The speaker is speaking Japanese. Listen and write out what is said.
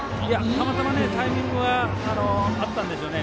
たまたま、タイミングが合ったんですよね。